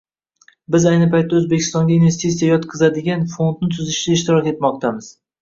Biz ayni paytda O‘zbekistonga investitsiya yotqizadigan fondni tuzishda ishtirok etmoqdamiz